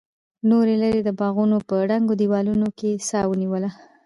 نورو لرې د باغونو په ړنګو دیوالونو کې سا ونیوله.